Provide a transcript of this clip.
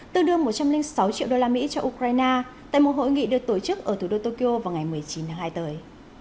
tương đương một trăm linh sáu triệu đô la mỹ cho ukraine tại một hội nghị được tổ chức ở thủ đô tokyo vào ngày một mươi chín tháng hai tới